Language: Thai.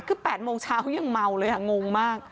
คือ๘โมงเช้ายังเมาเลยงงมาก